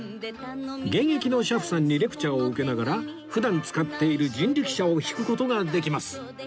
現役の車夫さんにレクチャーを受けながら普段使っている人力車を引く事ができます